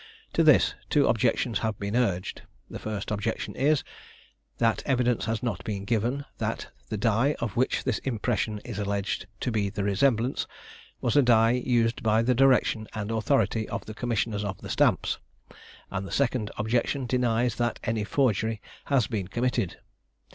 To this, two objections have been urged; the first objection is, that evidence has not been given, that the die of which this impression is alleged to be the resemblance, was a die used by the direction and authority of the commissioners of the stamps; and the second objection denies that any forgery has been committed.